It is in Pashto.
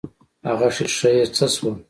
هغه ښيښه يې څه سوه.